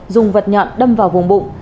dùng vật nhọn đâm vào vùng bụng